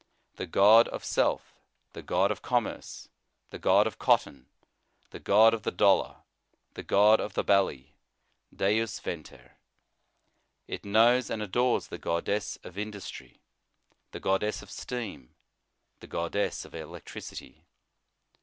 The god of self, the god of commerce, the god of cotton, the god of the dollar, the god of the belly, deus venter. It knows and adores the goddess of industry, the goddess of steam, the goddess of electri city.